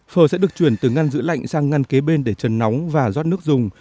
phở sẽ được chuyển từ ngăn giữ lạnh sang ngăn kế bên để trần nóng và rót nước dùng